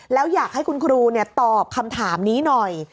แล้วอยากให้คุณครูตอบคำถามนี้หน่อย